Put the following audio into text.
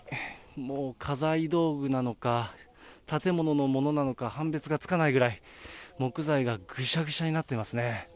もう家財道具なのか、建物のものなのか判別がつかないぐらい、木材がぐしゃぐしゃになってますね。